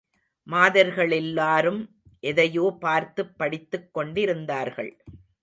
மாதர்களெல்லாரும் எதையோ பார்த்துப் படித்துக் கொண்டிருந்தார்கள்.